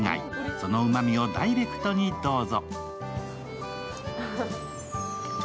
そのうまみをダイレクトにどうぞ。